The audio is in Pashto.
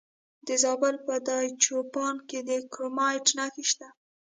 د زابل په دایچوپان کې د کرومایټ نښې شته.